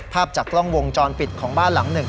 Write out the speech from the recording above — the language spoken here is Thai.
ภาพจากกล้องวงจรปิดของบ้านหลังหนึ่ง